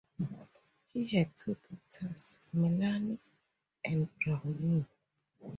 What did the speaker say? They had two daughters, Melanie and Bronwyn.